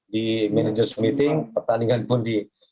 di managers meeting pertandingan pun di